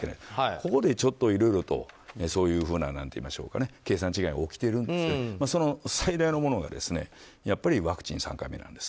ここで、ちょっといろいろとそういうふうな計算違いが起きているんですけどその最大のものがやっぱりワクチン３回目なんです。